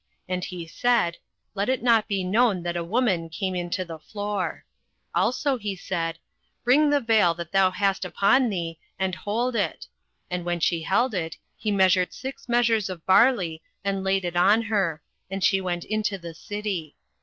And he said, Let it not be known that a woman came into the floor. 08:003:015 Also he said, Bring the vail that thou hast upon thee, and hold it. And when she held it, he measured six measures of barley, and laid it on her: and she went into the city.